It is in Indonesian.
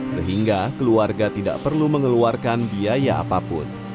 sehingga keluarga tidak perlu mengeluarkan biaya apapun